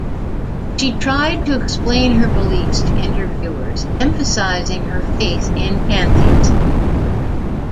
She tried to explain her beliefs to interviewers, emphasising her faith in pantheism.